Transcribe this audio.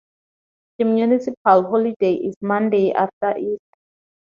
The municipal holiday is Monday after Easter.